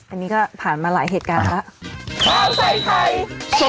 อันนี้ก็ผ่านมาหลายเหตุการณ์แล้ว